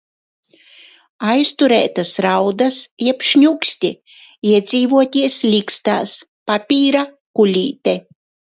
Aizturētas raudas jeb šņuksti. Iedzīvoties likstās. Papīra kulīte.